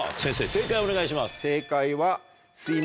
正解お願いします。